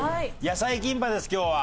野菜キンパです今日は。